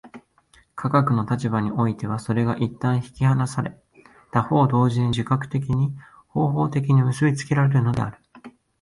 科学の立場においてはそれが一旦引き離され、他方同時に自覚的に、方法的に結び付けられるのである。